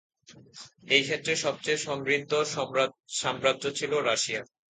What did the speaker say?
এই ক্ষেত্রে সবচেয়ে সমৃদ্ধ সাম্রাজ্য ছিল রাশিয়া।